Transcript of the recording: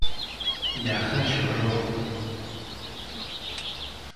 ยาฆ่าเชื้อโรค